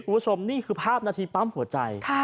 คุณผู้ชมนี่คือภาพนาทีปั๊มหัวใจ